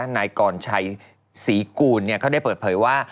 นายกรชัยศรีกูลเขาได้เปิดเผยว่า